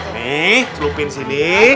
nih kelupin sini